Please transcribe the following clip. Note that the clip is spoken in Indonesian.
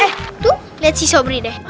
eh tuh lihat si sobri deh